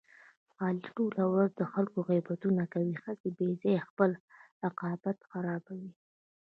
علي ټوله ورځ د خلکو غیبتونه کوي، هسې بې ځایه خپل عاقبت خرابوي.